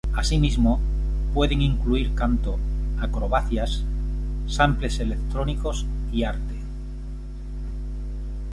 Asimismo, pueden incluir canto, acrobacias, "samples" electrónicos y arte.